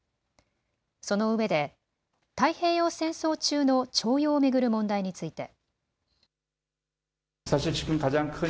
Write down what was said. そのうえで太平洋戦争中の徴用を巡る問題について。